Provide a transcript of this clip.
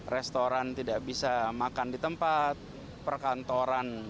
restoran tidak bisa makan di tempat perkantoran